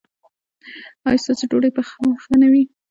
ایا ستاسو ډوډۍ به پخه نه وي؟